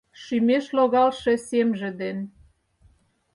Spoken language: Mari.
Шӱмеш логалше семже ден